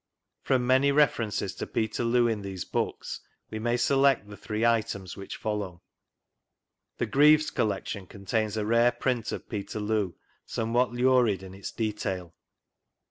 From many references to Peterloo in these books we may select the three items which follow: The Greaves collection contains a rare print of Peterloo, somewhat lurid in its detail.